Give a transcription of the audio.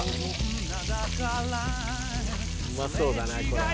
うまそうだなこれは。